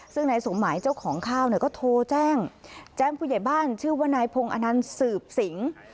ซึ่งนายสมหมายเจ้าของข้าวเนี่ยก็โทรแจ้งแจ้งผู้ใหญ่บ้านชื่อว่านายพงศ์อนันต์สืบสิง